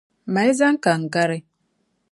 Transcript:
Mali zani ka n gari.